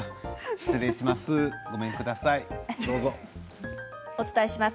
失礼します。